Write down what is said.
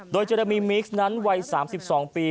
โดยเจรมีมิกซ์นั้นวัย๓๒ปี